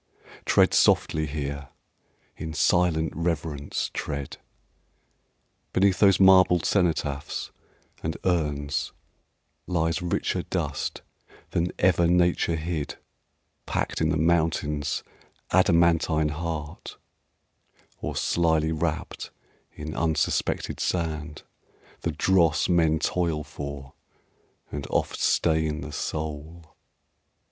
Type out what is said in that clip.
Tread softly here, in silent reverence tread. Beneath those marble cenotaphs and urns Lies richer dust than ever nature hid Packed in the mountain's adamantine heart, Or slyly wrapt in unsuspected sand The dross men toil for, and oft stain the soul.